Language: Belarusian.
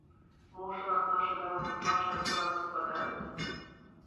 Можа, наша дарога з вашай акурат супадаюць?